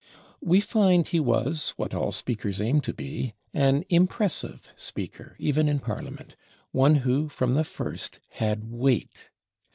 We find he was, what all speakers aim to be, an impressive speaker, even in Parliament; one who, from the first, had weight.